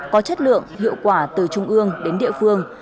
có chất lượng hiệu quả từ trung ương đến địa phương